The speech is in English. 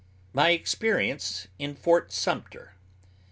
MY EXPERIENCE IN FORT SUMTER.